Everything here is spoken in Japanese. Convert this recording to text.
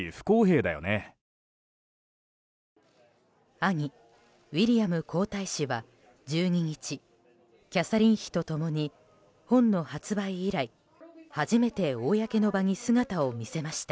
兄ウィリアム皇太子は１２日キャサリン妃と共に本の発売以来、初めて公の場に姿を見せました。